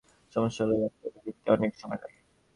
সমস্যা হলো ল্যাপটপে লিখতে অনেক সময় লাগে।